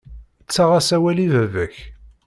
Ttaɣ-as awal i baba-k.